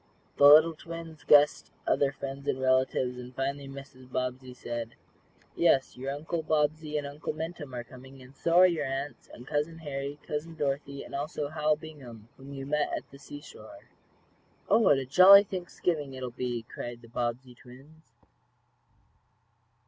The little twins guessed other friends and relatives, and finally Mrs. Bobbsey said: "Yes, your Uncle Bobbsey and Uncle Minturn are coming, and so are your aunts, and Cousin Harry, Cousin Dorothy and also Hal Bingham, whom you met at the seashore." "Oh, what a jolly Thanksgiving it will be!" cried the Bobbsey twins.